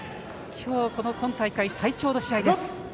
きょう、今大会、最長の試合です。